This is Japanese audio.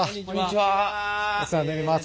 お世話になります